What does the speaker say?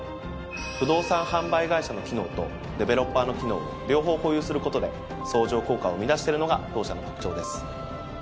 不動産販売会社の機能とデベロッパーの機能を両方保有することで相乗効果を生み出しているのが当社の特徴です。